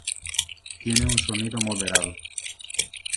Tiene un sonido moderado.